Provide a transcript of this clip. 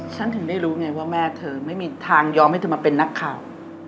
ฉันถึงได้รู้ไงว่าแม่เธอไม่มีทางยอมให้เธอมาเป็นนักข่าว